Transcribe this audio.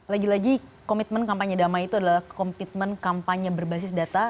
lagi lagi komitmen kampanye damai itu adalah komitmen kampanye berbasis data